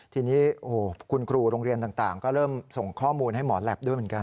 ทีนี้คุณครูโรงเรียนต่างก็เริ่มส่งข้อมูลให้หมอแหลปด้วยเหมือนกัน